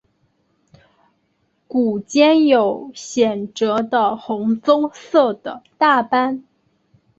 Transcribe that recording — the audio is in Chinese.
股间有显着的红棕色的大斑。